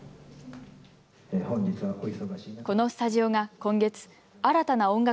このスタジオが今月、新たな音楽